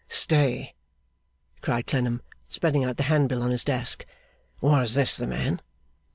'Stay!' cried Clennam, spreading out the handbill on his desk. 'Was this the man?